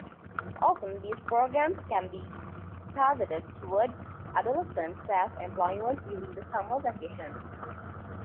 Often, these programmes can be targeted towards adolescent self-employment during the summer vacation.